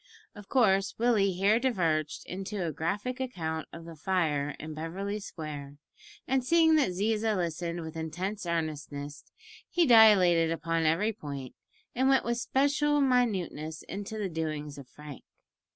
Of course Willie here diverged into a graphic account of the fire in Beverly Square, and, seeing that Ziza listened with intense earnestness, he dilated upon every point, and went with special minuteness into the doings of Frank.